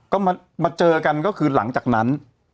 ก็มาเจอกันก็คือหลังจากนั้น